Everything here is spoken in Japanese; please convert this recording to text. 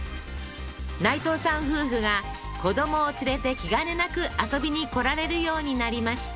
内藤さん夫婦が子どもを連れて気兼ねなく遊びに来られるようになりました